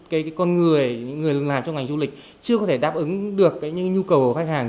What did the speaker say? cái con người những người làm trong ngành du lịch chưa có thể đáp ứng được những nhu cầu của khách hàng